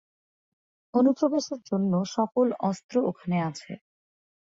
অনুপ্রবেশের জন্য সকল অস্ত্র ওখানে আছে।